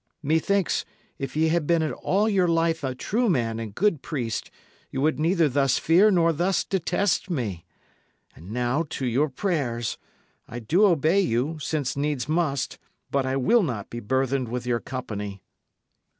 Methinks, if ye had been all your life a true man and good priest, ye would neither thus fear nor thus detest me. And now to your prayers. I do obey you, since needs must; but I will not be burthened with your company."